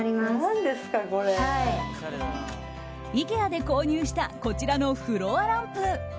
ＩＫＥＡで購入したこちらのフロアランプ。